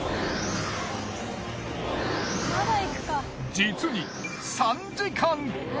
実に３時間！